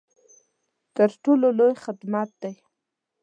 تر ټولو لوی خدمت دی.